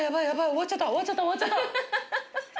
終わっちゃった終わっちゃった終わっちゃった！